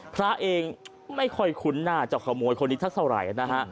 พระเองไม่ค่อยคุ้นหน้าเจ้าขโมยคนนี้สักเท่าไหร่นะฮะ